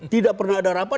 tidak pernah ada rapat